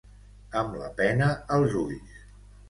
Amb la pena als ulls.